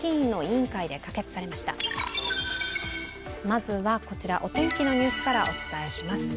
まずはお天気のニュースからお伝えしすま。